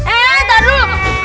eh eh eh taruh